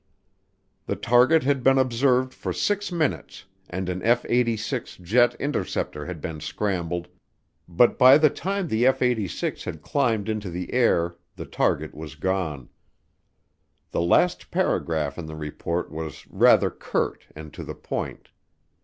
The target had been observed for six minutes and an F 86 jet interceptor had been scrambled but by the time the F 86 had climbed into the air the target was gone. The last paragraph in the report was rather curt and to the point.